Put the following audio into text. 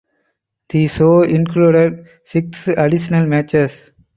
The show included six additional matches.